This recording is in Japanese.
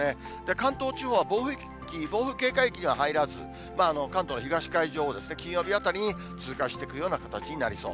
関東地方は暴風域、暴風警戒域には入らず、関東の東海上を金曜日あたりに経過していくような形になりそう。